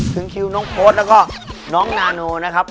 ถึงคิวน้องโพสต์แล้วก็น้องนาโนนะครับ